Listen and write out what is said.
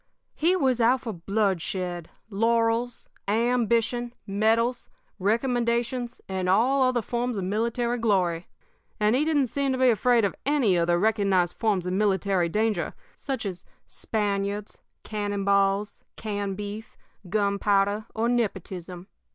"He was out for bloodshed, laurels, ambition, medals, recommendations, and all other forms of military glory. And he didn't seem to be afraid of any of the recognized forms of military danger, such as Spaniards, cannon balls, canned beef, gunpowder, or nepotism.